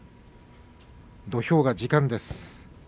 土俵が時間です。